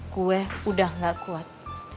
gue udah gak kuat